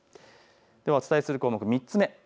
ではお伝えする項目、３つ目です。